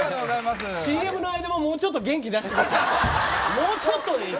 ＣＭの間ももうちょっと元気出してください。